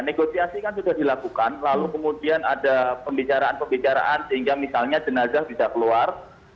negosiasi kan sudah dilakukan lalu kemudian ada pembicaraan pembicaraan sehingga misalnya jenazah bisa keluar